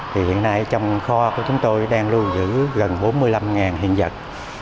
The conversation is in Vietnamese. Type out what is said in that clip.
thì hiện nay trong kho của chúng tôi đang lưu giữ gần bốn mươi năm hiện vật